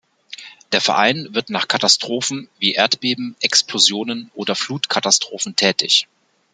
Der Verein wird nach Katastrophen wie Erdbeben, Explosionen oder Flutkatastrophen tätig.